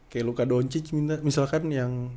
kayak luka donci misalkan yang